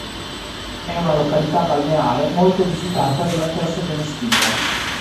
È una località balneare molto visitata durante la stagione estiva.